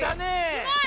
すごい！